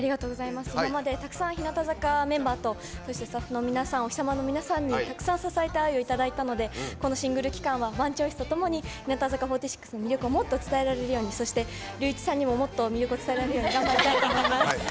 今までたくさん日向坂メンバーとスタッフおひさまの皆さんにたくさん支えてもらって愛をもらったので、この期間は「Ｏｎｅｃｈｏｉｃｅ」とともに日向坂４６の魅力をもっと伝えられるようにそして隆一さんにももっと魅力を伝えられるよう頑張りたいと思います。